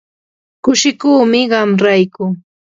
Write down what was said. kushikuumi qam rayku.